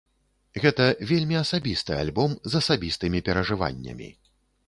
Гэта вельмі асабісты альбом з асабістымі перажываннямі.